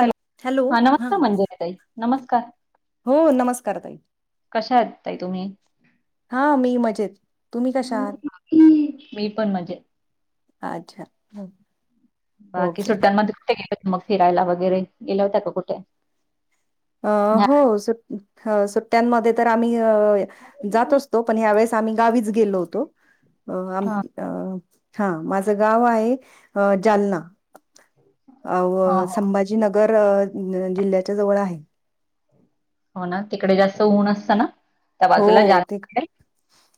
Hello हा नमस्कार मंदिरिताई नमस्कार हो नमस्कार ताई कशा आहेत ताई तुम्ही हा मी मजेत तुम्ही कशा आहात मी पण मजेत अच्छा हो बाकी सुट्ट्यांमध्ये कुठे गेले होते. मग फिरायला वगैरे गेल्या होत्या का कुठे अ हा हो स ह सुट्ट्यांमध्ये तर आम्ही अ जात असतो पण या वेळेस आम्ही गावीच गेलो होतो आम हा हा माझं गाव आहे. जालना अ हा व संभाजीनगर जिल्ह्याच्या जवळ आहे. हो ना तिकडे जास्त होऊन असत ना? त्या हो बाजूला जाल ते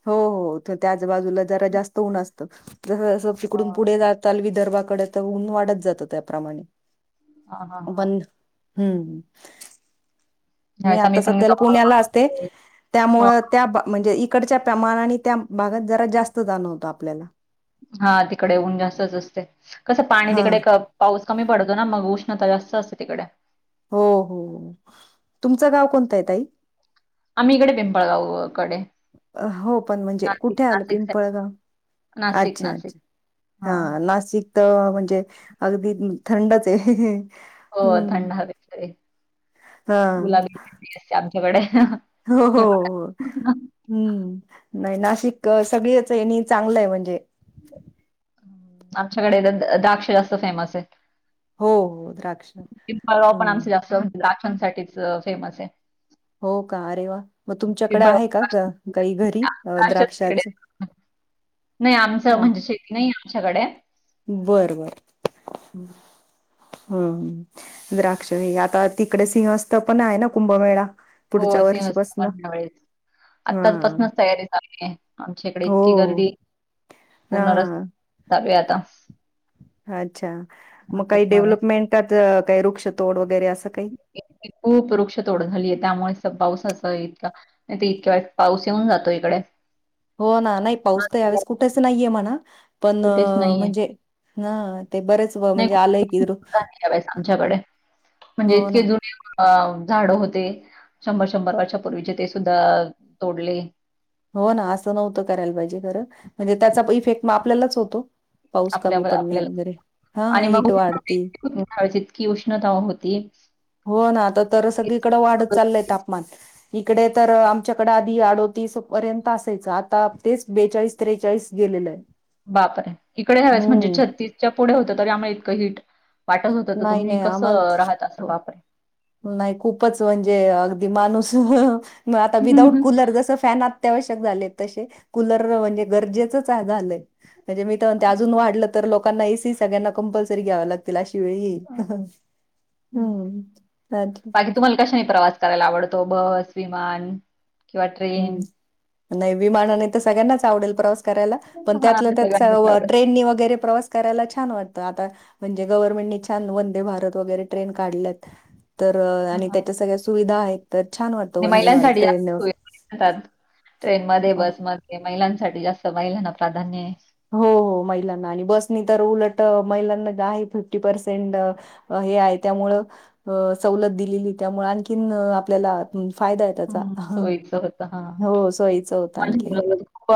हो हो त त्या बाजूला जरा जास्त ऊन असत तत जस जस हा तिकडून पुढे जाताल वि दर्भागकडे तर ऊन वाढत जातं त्याप्रमाणे हा हा हा. पण हम्म. मी ह्यावेळेस आम्ही आता पण सध्याला पुण्याला असते हो त्यामुळं त्या म्हणजे इ इकडच्या प्रमाणात आणि त्या भागात जरा जास्त जाणवतं आपल्याला हा तिकडे ऊन जास्तच असते कसं पाणी हा तिकडे क पाऊस कमी पडतो ना मग उष्णता जास्त असते तिकडे हो हो तुमचं गाव कोणतय तई? आम्ही इकडे, पिंपळगावकडे हो पण म्हणजे कुठे आलं साईड. पिंपळगाव? नाशिक अच्छा नाशिक अच्छा हा नाशिक तर म्हणजे, अगदी थंडचय. हो थंड हवेचय. हा गुलाबी [unintelligible] अशी आम एवढ्या. हो, हो हम्म. नाही नाशिक, सगळ्याच ह्यानी चांगलं म्हणजे आमच्याकडे, द द्राक्ष जास्त फेमसय हो हो द्राक्ष हम्. च [unintelligible] साठी फेमसय. हो का आरे वा! मग, तुमच्याकडे आहे का द्राक्ष काही घरी द्राक्षच तिकडे द्राक्षाच? नाही आमचं हा. म्हणजे शेती नाही आमच्याकडे. बरं बरं. हम्म. हमं, द्राक्ष नायी, आता तिकडे सिंहस्थ पण आहे ना कुंभमेळा? हो पुढच्या सिंहस्थ वर्षीपासन दिवाळीत, हा आताचपसूनच तयारी चालुय, आमच्या इकडे हो इतकी गर्दी पूर्ण हा रस्ता का [unintelligible] अच्छा, मग काही नाशिकमध्ये. डेव्हलपमेन्टात काय वृक्षतोड वगैरे अस. खूप वृक्ष तोड झाली आहे त्यामुळे स पाऊस तस इतका ते इतक्या वेळेत पाऊस येऊन जातो इकडे. हो ना नाही पाऊस तर नाशिकला यावेळेस कुठेच नाहीये म्हणा पण कुठेच नाहीये. म्हणजे ना. नाही आमच्याकडे म्हणजे हो इतके ना जु अ झाड होते शंभर शंभर वर्षापूर्वीचे ते सुद्धा तोडले. हो ना असं नव्हतं करायला पाहिजे खरं म्हणजे त्याचा फेक मग आपल्यालाच होतो. पाऊस कमी आपल्यावर पडणे आपल्याला वगैरे हा हीट वाढती की उष्णता होती. हो ना आता तर की सगळीकडें वाढत चाललय तापमान. इकडे तर आमच्याकडे आधी आडोतीपर्यंत असायचं आता तेच बेचाळीस त्रेचाळीस गेलेलं आहे. बापरे आहे इकडे ह्यावेळेस म्हणजे हम्म. छत्तीसच्या पुढे होत तर यामुळे इतकं हिट वाटत होतं तर नाही तुम्ही नाही आम्हाला कसं राहत असल हो, बापरे. नाही खूपच म्हणजे अगदी माणूस. वह. मग आता विदाउट कुलर जस फॅन अत्यंवश झालेत तशे कुलर म्हणजे गरजेचहं झालंय. मी त म्हणजे अच्छा. अजून वाढलं तर लोकांना एसी सग्यांना कंपल्सरी घ्याव लागतील अशी किंवा येईल हं! बाकी तुम्हाला कशाने प्रवास कराय ला आवडतो बस, विमान. किंवा हम्म. ट्रेन. नाही विमानाने त सगळ्यांनाच आवडेल प्रवास करायला पण हां, त्यात त्या च सगळ्यांनाच व आवडतं. ट्रेननी वगैरे प्रवास करायला छान वाट आता म्हणजे गव्हर्नमेंटने छान वंदे भारत, वगैरे ट्रेन काढल्यात. तर हां, आणि हां. त्याच्या सगळ्या सुविधा आहेत. तर छान वाटत वंदे भारत ट्रेन न. त्यात ट्रेन मध्ये बसमध्ये. महिलांसाठी जास्त महिलांना प्राधान्य हे. हो हो महिलांना आणि बसनी तर उलट महिलांना फिफ्टी पर्सेंट हे आहे त्यामुळ सवलत दिलेली त्यामुळे आणखीन आपल्याला फायदा आहे त्याचा ह सोयीच होत हा हो सोयीचं होतं माझ्या आणखीन मुलाला तर खूप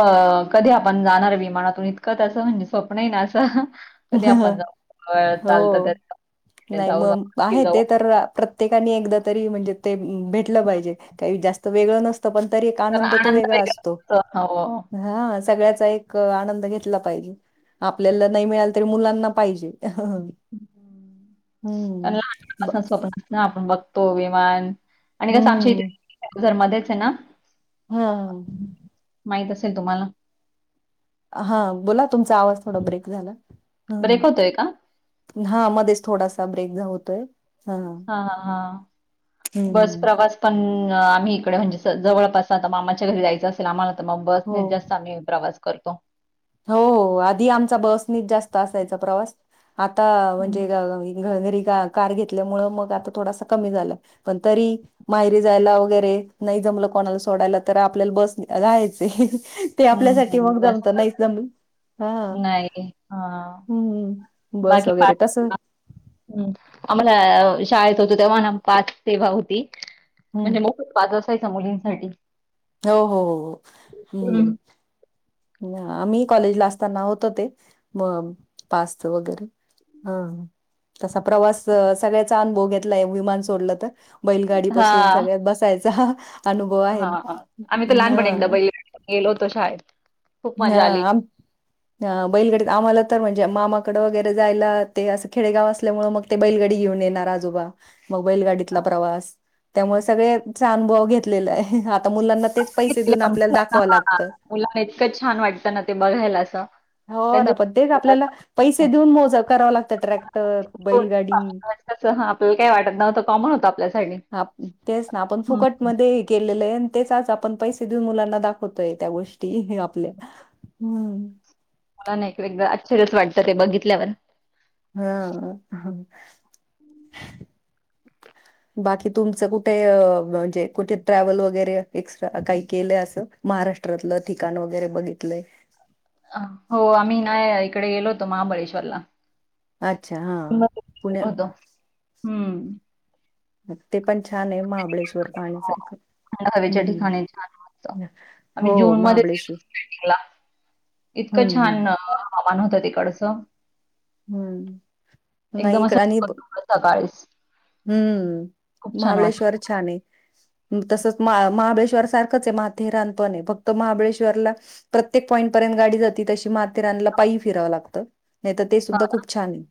कधी आपण जाणार ये विमानातून इतकं त्याच म्हणजे स्वप्न आहे ना असं. कधी आपण जाऊ अ, चालतं हो त्याचं नाही जाऊ, जाऊ, मंग नक्की आहे ते जाऊ. तर प्रत्येकानि एकदा तरी म्हणजे ते भेटलं पाहिजे त्यावेळी जास्त त वेगंळ नस त पण तरी एक तर आनंद तो वेगळा वेगळाच असतो असतो. हो. ह सगळ्याचा एक आनंद घेतला पाहिजे आपल्याला नाई मिळाल मुलांना पाहिजे. ह हं. हूं ब. तो विमान आणि कसं आमच्या इथेच जर मध्येच हेना हाव माहित असेल तुम्हाला हा बोला, तुमचा आवाज थोडा ब्रेक झाला. हम् ब्रेक होतोय का? हा मध्येच थोडास ब्रेक जा होतोय. हां. हा हा हं, बस हं. प्रवास पण आम्ही इकडे म्हणजे जवळपास आता मामाच्या घरी जायचं असेल आम्हाला त म बसने हो. जास्त आम्ही प्रवास करतो. हो हो आधी आमचा बस नीच जास्त असायचा प्रवास. आता हं. म्हणजे ग अ घरी का कार घेतल्यामुळ मग आता थोडासा कमी झाला पण तरी मायरी जायला वगैरे नाही जमलं कोणाला सोडायला तर आपल्याला बसने राहायच. ते आपल्यासाठी हं. मग जास्त जमत नाही हा नाही. हां. हम्म. बस बाकी वगैरे तस [unintelligible] शाळेत होतो तेव्हाना पास सेवा होती. हम्म म्हणजे मोफच पाद असायचा मुलीं साठी. हो हो हो हम्म हं. ह आम्ही कॉलेजला असताना होतो ते म पास वगैरे बैलगाडी पासून सगळ्यात बसायचा अनुभव आहे हा आम्ही तर लहानपणी एकदा ब ह [unintelligible] गेलो होतो शाळेत. खूप मजा आली. ह बैलगडित आम्हाला म्हणजे मामाकड वगैरे जायला ते अस खेडेगाव असल्यामुळे मग ते बैलगाडी घेऊन येणार आजोबा मग बैलगाडीतला प्रवास त्यामुळे चा सगळचाअनुभव घेतलेलाय. ता मुलांना तेच पैसे देऊन आपल्याला दाखवाव लागत. इतकंच छान वाटतं ना ते बघायला असं. हो ना पण ते आपल्याला त्यांच्या पैसे देऊन मोज कराव लागतं ट्रॅक्टर हो. बैलगाडी कसं हां, आपल्याला काही वाटत नव्हतं कॉमन होतं आपल्यासाठी. ह तेच ना आपण हं. फुकट मध्ये हे केल. तेच आपण पैसे देऊन मुलांना दाखवतोय त्या गोष्टी आपल्या ह. मला ना एक एकदा आश्चर्यच वाटतं ते बघितल्यावर. हम बाकी तुमचं कुठे म्हणजे कुठे ट्रॅव्हल वगैरे एक्स्ट्रा काही केलंय अस महाराष्ट्रातलं ठिकाण वगैरे बघितलंय? हो आम्ही नाय इकडे गेलो होतो महाबळेश्वरला. अच्छा हा पुण्या हम्म. ते पण छान आहे महाबळेश्वर. हो. पाण्यासारखं थंड हवेच्या ठिकाणी छान मस्त. हम्म आम्ही हो जूनमध्येच गेलो महाबळेश्वर. होतो स्टार्टिंगला. इतकं हम्म छान हम्म ना. पान होत तिकडचं. हम्म नाही एकदम इकड असं आणि. ढगाळ सकाळीच. खूप हम्म छान वाटलं. महाबळेश्वर छान ये तसंच महाबळेश्वर सारखंच आहे माथेरानपण फक्त महाबळेश्वरला प्रत्येक पॉईंट पर्यंत गाडी जाती तशी माथेरानला पायी फिरावं लागतं. नाही तर ते हा सुद्धा ना खूप छान आहे.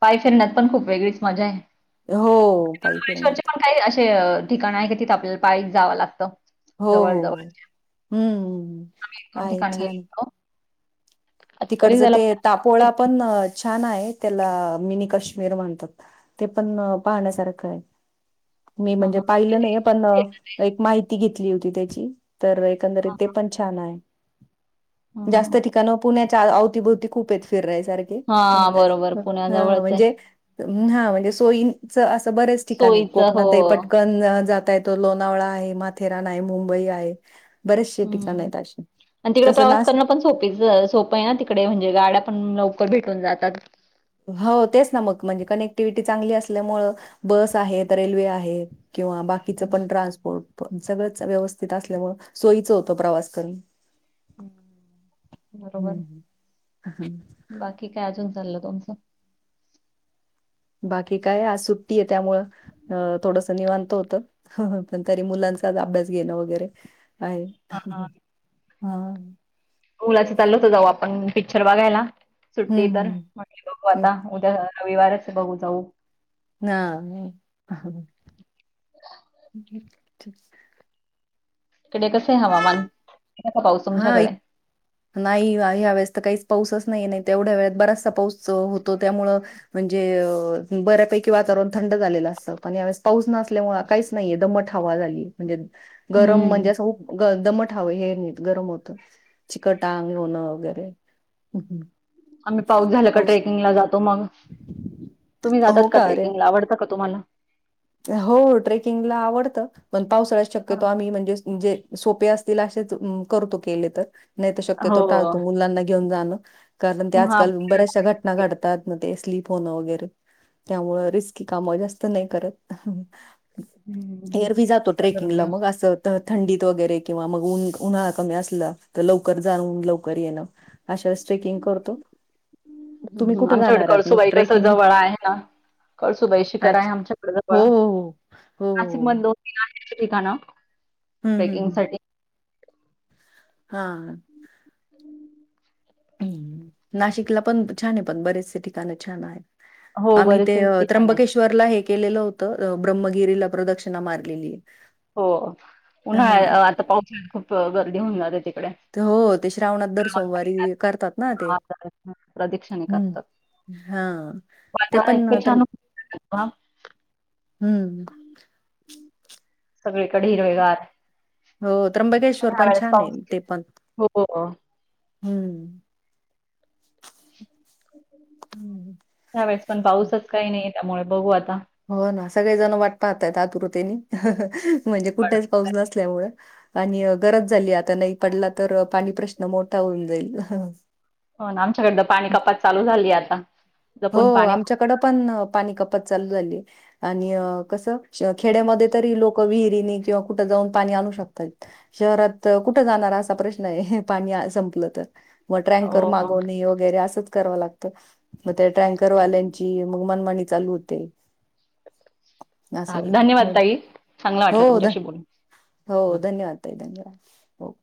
पाय फिरण्यात पण खूप वेगळीच मजा आहे. हो पाई फिरण्यात. ठिकाण आहे का तिथ आपल्याला पायीचं जावं लागतं? हो हो जवळ-जवळ हम्म आहे ठिकाणी गेलो छान. होतो. तरी तिकडचं त्याला ते टापोळा. पण छान आहे त्याला मिनी काश्मीर म्हणतात, ते पण पाहण्यासारखं आहे. मी हा म्हणजे हा पाहिलं नाही पण एक माहिती घेत [inaudible] होती त्याची. तर एकंदरीत हा ते पण छान हाय जास्त हा ठिकाणं‌ पुण्यात. च्या अवतीभवती खूप आहेत फिरण्याचा. [inaudible] हा बरोबर हा पुण्याजवळच आहे म्हणजे हा म्हणजे सोईनच अस बर्‍याच ठिकाण आहेत सोयीच हो कोकणात ही पटकन जा जाता येतो लोणावळा आहे माथेरान आहे मुंबई आहे बरेचसे ठिकाण हम् आहेत अशी. आणि तिकडे तसं प्रवास नाशिक करणं पण सोपेच सोप आहे ना तिकडे म्हणजे गाड्या पण लवकर भेटून जातात हो तेच ना मग म्हणजे कनेक्टिव्हटी चांगली असल्यामुळ बस आहेत रेल्वे आहेत. किंवा बाकीचं हम्म पण ट्रान्सपोर्ट सगळंच व्यवस्थित असल्यामुळ सोयीचं होतं प्रवास करणं बरोबर हम्म. बाकी काय अजून चाललं [unintelligible] बाकी काय आज सुट्टी आहे त्यामुळं थोडसं निवांत होतं पण तरी मुलांचा अभ्यास घेणं वगैरे काय हा हा मुलाचं चाल होत जाऊ आपण पिक्चर बघायला सुट्टी हं, तर हं. म्हणजे बघू हां. आता उद्या रविवारच बघू जाऊ हा [inaudible] तकडे कसे हवामान का पाऊस हा तुमच्याकडे एक नाही आहे हवेळेसत काहीच पाऊसच नाही नाही तेवढ्या वेळ बराच पाऊस होतो त्यामुळे म्हणजे बऱ्यापैकी वातावरण थंड झालेलं असतं पणवेळेस पाऊस न काहीच नाही दम हवा झाली म्हणजे गरम हम्म म्हणजे अस दमट हावे हेर गरम होत चिकट अंग होणं वगैरे आम्ही पाऊस झाल का ट्रेकिंगला जातो मग तुम्ही हो जातात का अरे ट्रेकिंगला आवडत का तुम्हाला हो ट्रेकिंगला आवडतं मण पावसाळ्यात हां. शक्यतो आम्ही म्हणजे जे सोपे असतील असेच करतो केले तर नाही तर हो. शक्यतो टाळतो मुलांना घेऊन जाणं [inaudible] कारण ते आजकाल महाबळेश्वर बऱ्याचशा घटना घडतात ना ते स्लीप होन वगैरे त्यामुळे रिस्की काम जास्त तर नाही करत. हं, हं. एरवी जातो ट्रेकिंगला निसर्गरम्य. मग अस त थंडीत वगैरे किंवा मग उ उन्हाळा कमी असला, त लवकर जाणून लवकर येणं. अशा वेळेस ट्रेकिंग करतो तुम्ही कुठे आमच्याकडे जाणार आहात मग कळसुबाई कस ट्रेकिंग जवळ आहे ना, कळसुबाई शिकरा आहे अच्छा आमच्याकड. प हो हो हो हो नाशिक हो. मध्ये दोन तिन आहे कीती का ना हम्म हम्म हम्म हा ह् नाशिकला पण छान आहे पण बरेचसे ठिकाण छान आहे. हो, आम्ही ते बरेचसे ठिकाण आहेत. त्र्यंबकेश्वरला हेक केलेलं होतं, ब्रह्मगिरीला प्रदक्षिणा मारलेली हे हो उन्हाळा आता पावसाळा खूप ग घेऊन लाग ते हो ते श्रावणात दर सोमवारी करतात ना ते प्रदक्षिणे हम् करतात. हा ते वातावरण पण इतकं तर छान होतं ना हम्म सगळीकडे हिरवेगार हो त्र्यंबकेश्वर पण उन्हाळ्यात छान आहे पावसाळा हो पो ग हम्म हं. वेळेस पण पाऊसच काही नाहीये त्यामुळे बघू आता. हो ना सगळे जण वाट पाहतय आतुरतेनी ह ह ह म्हणजे पण- कुठेच पाऊस नसल्यामुळे आणि गरज झाली आता नाही, पडला तर पाणी प्रश्न मोठा होऊन जाईल. हो ना आमच्याकडतां पाणी कपात चालू झाली आता. हो जपून पाणी आमच्याकडें पण पाणी कपत चाल झाली आणि कस. खेड्यामध्ये तरी लोक विहिरीणी किंवा कुठं जाऊन पाणी आणू शकतात. शहरात कुठं जाणार, असा प्रश्न आहे पाणी संपलं तर मग ट्रँकर हो, हो. मागवणे वगैरे असंच कराव लागत. मग त्या ट्रँकरवाल्यांची मग मनमाणी चालू होते. अस हो चालेल. धन्यवाद ताई. चांगलं हो वाटलं हो तुमच्याशी बोलून. हां. धन्य धन्यवाद तई धन्यवाद. हो